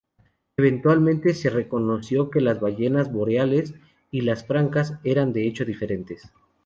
Eventualmente se reconoció que las ballenas boreales y las francas eran de hecho diferentes.